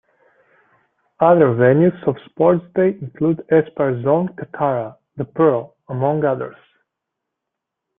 Other venues of sports day include Aspire Zone, Katara, The Pearl, among others.